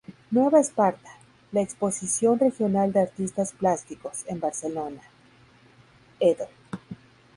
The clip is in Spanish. Nueva Esparta, la "Exposición regional de artistas plásticos" en Barcelona, Edo.